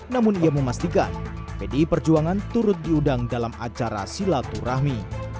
namun ia memastikan pdi perjuangan turut diundang dalam acara silaturahmi